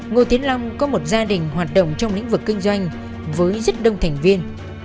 ngô tiến long có một gia đình hoạt động trong lĩnh vực kinh doanh với rất đông thành viên